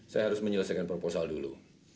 saya harus menyelesaikan proposal dulu